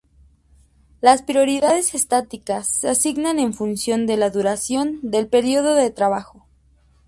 Las prioridades estáticas se asignan en función de la duración del período del trabajo.